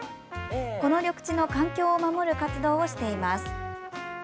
この緑地の環境を守る活動をしています。